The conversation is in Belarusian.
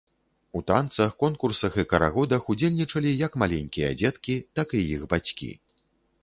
У танцах, конкурсах і карагодах удзельнічалі як маленькія дзеткі, так і іх бацькі.